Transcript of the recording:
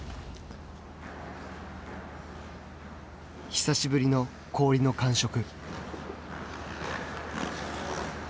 久しぶりの氷の感触。